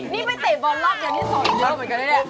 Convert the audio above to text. นี่ไปเตะบรอบดังที่ส่วนเยอะ